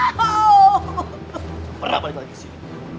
jangan pernah balik lagi kesini